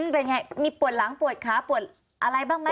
เป็นไงมีปวดหลังปวดขาปวดอะไรบ้างไหม